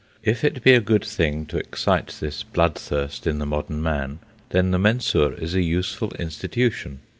If it be a good thing to excite this blood thirst in the modern man, then the Mensur is a useful institution.